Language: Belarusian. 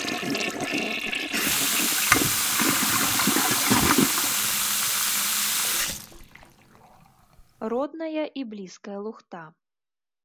Родная і блізкая лухта.